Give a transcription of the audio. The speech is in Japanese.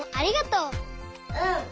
うん。